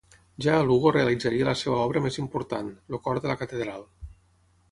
Ja a Lugo realitzaria la seva obra més important, el cor de la Catedral.